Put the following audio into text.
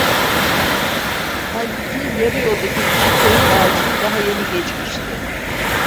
Halbuki yarı yoldaki kuru söğüt ağacını daha yeni geçmişti.